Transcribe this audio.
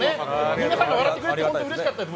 皆さんが笑ってくれて本当にうれしかったです